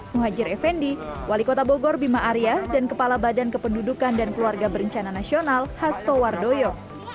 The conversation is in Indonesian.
muhajir effendi wali kota bogor bima arya dan kepala badan kependudukan dan keluarga berencana nasional hasto wardoyo